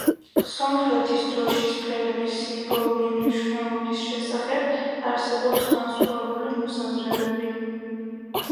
სომხეთის დროშის ფერების სიმბოლური მნიშვნელობის შესახებ არსებობს განსხვავებული მოსაზრებები.